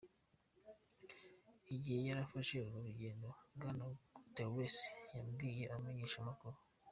Igihe yarafashe urwo rugendo, Bwana Guterres yabwiye abamenyeshamakuru:.